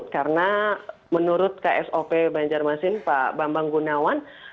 karena menurut ksop banjarmasin pak bambang gunawan